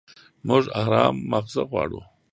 موږ ارام ماغزه غواړو.